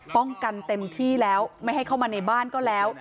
เต็มที่แล้วไม่ให้เข้ามาในบ้านก็แล้ว